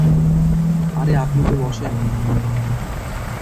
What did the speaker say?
আরে, আপনি তো বসেন।